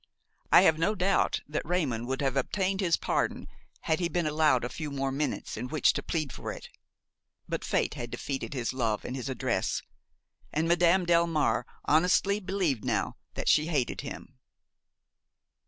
I have no doubt that Raymon would have obtained his pardon had he been allowed a few more minutes in which to plead for it. But fate had defeated his love and his address, and Madame Delmare honestly believed now that she hated him.